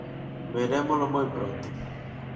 Verémolo moi pronto.